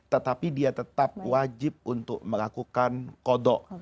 tetapi dia tetap wajib untuk melakukan kodok